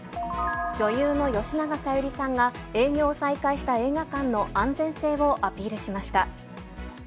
女優の吉永小百合さんが、営業を再開した映画館の安全性をアピールしました。